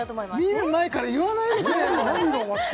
見る前から言わないでくれよ